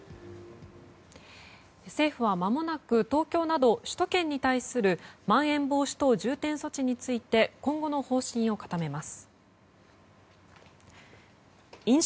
政府はまもなく東京など首都圏に対するまん延防止等重点措置について東京では感染が拡大し続けています。